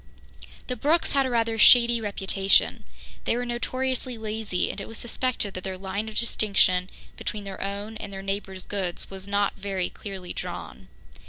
The Brookes had a rather shady reputation. They were notoriously lazy, and it was suspected that their line of distinction between their own and their neighbours' goods was not very clearly drawn.